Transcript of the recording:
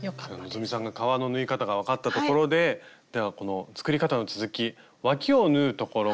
希さんが革の縫い方が分かったところでではこの作り方の続きわきを縫うところから続きを見ていきましょう。